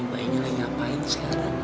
ini bayinya lagi ngapain sih